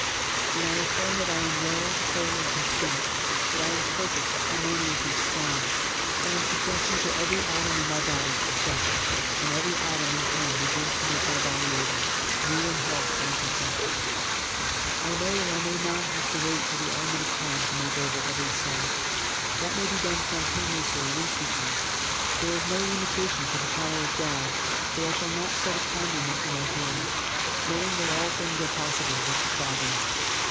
When I affirm that I am well, whole and complete; that I am perfect, harmonious and strong, I am suggesting to every atom in my body perfection and every atom in turn begins to make my body over, new in health and and in perfection. I may or I may not have to wait for the element of time to make over every cell. That may be done spontaneously and instantly. There is no limitation to the power of God so I shall not set a time limit for my healing, knowing that all things are possible with the Father.